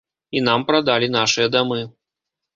І нам прадалі нашыя дамы.